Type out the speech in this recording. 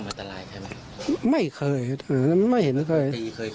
มันทำมันตรายใช่ไหมไม่เคยไม่เห็นไม่เคย